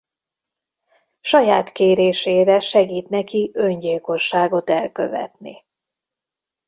Saját kérésére segít neki öngyilkosságot elkövetni.